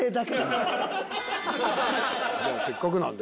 じゃあせっかくなんで。